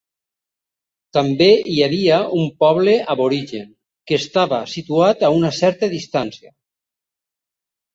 També hi havia un poble aborigen, que estava situat a una certa distància.